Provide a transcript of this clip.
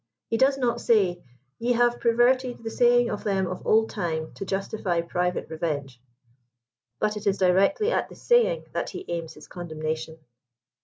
He does not say " ye have perverted the saying of them of old time, to justify private Jfevenge;" but it is directly at the saying that he aims his condemnation.